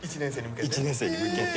１年生に向けて？